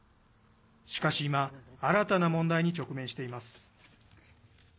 しかし今新たな問題に直面しています。